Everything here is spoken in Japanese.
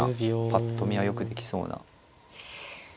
ぱっと見はよくできそうな。